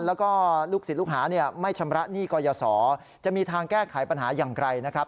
แล้วก็ลูกศิษย์ลูกหาไม่ชำระหนี้กรยาศรจะมีทางแก้ไขปัญหาอย่างไกลนะครับ